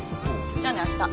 じゃあねあした。